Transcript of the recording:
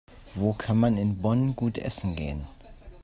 Wo kann man in Bonn gut essen gehen?